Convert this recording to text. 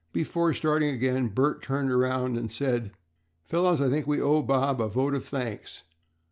Before starting again Bert turned around and said, "Fellows, I think we owe Bob a vote of thanks.